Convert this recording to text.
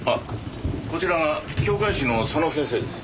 こちらが教誨師の佐野先生です。